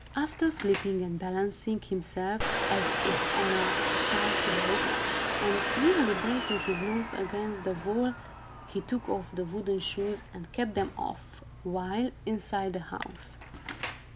After slipping and balancing himself, as if on a tight rope, and nearly breaking his nose against the wall, he took off the wooden shoes, and kept them off, while inside the house.